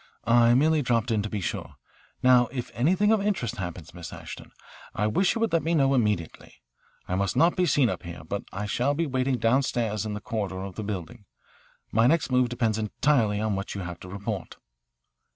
"I merely dropped in to be sure. Now if anything of interest happens, Miss Ashton, I wish you would let me know immediately. I must not be seen up here, but I shall be waiting downstairs in the corridor of the building. My next move depends entirely on what you have to report."